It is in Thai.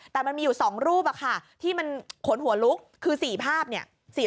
แต่มันมีอยู่๒รูปที่มันขนหัวลุกคือ๔ภาพเนี่ย